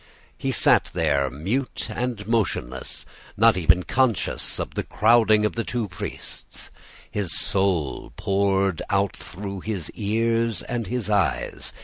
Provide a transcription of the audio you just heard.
He sat there, mute and motionless, not even conscious of the crowding of the two priests. His soul poured out through his ears and his eyes.